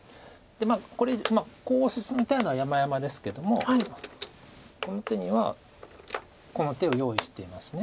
でまあこう進めたいのはやまやまですけどもこの手にはこの手を用意しています。